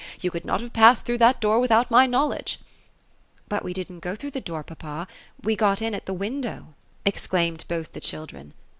you could not have passed through that door without my knowledge." ''• But we didn't go through the door, papa ; we got in at the window !'' 230 OPHELIA ; ezolaimed both the children.